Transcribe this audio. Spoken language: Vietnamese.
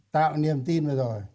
tạo niềm tin rồi